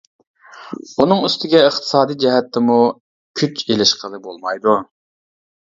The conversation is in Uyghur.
ئۇنىڭ ئۈستىگە ئىقتىسادىي جەھەتتىمۇ كۈچ ئېلىشقىلى بولمايدۇ.